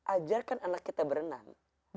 ajarkan anak kita berenang